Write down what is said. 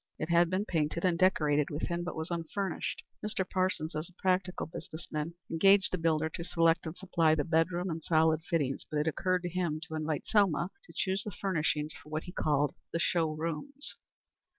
It had been painted and decorated within, but was unfurnished. Mr. Parsons, as a practical business man, engaged the builder to select and supply the bedroom and solid fittings, but it occurred to him to invite Selma to choose the furnishings for what he called the show rooms.